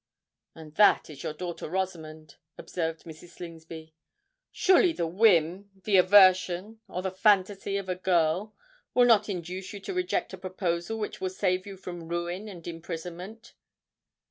"And that is your daughter Rosamond," observed Mrs. Slingsby. "Surely the whim—the aversion—or the phantasy of a girl will not induce you to reject a proposal which will save you from ruin and imprisonment?"